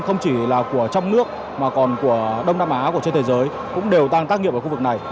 phóng viên không chỉ là của trong nước mà còn của đông nam á của trên thế giới cũng đều đang tác nghiệp ở khu vực này